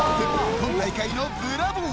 今大会のブラボー！